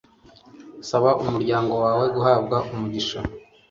saba umuryango wawe guhabwa umugisha